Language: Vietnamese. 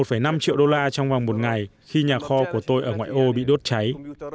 tôi đã mất một năm triệu đô trong vòng một ngày khi nhà kho của tôi ở ngoại ô bị đốt cháy